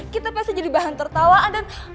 kita pasti jadi bahan tertawaan dan